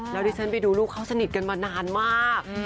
แล้วที่ฉันไปดูลูกเขาสนิทกันมานานมาก